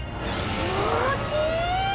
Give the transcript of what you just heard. おおきい！